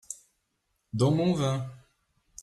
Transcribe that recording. dans mon vin.